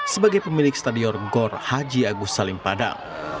sebagai pemilik stadion gor haji agus salim padam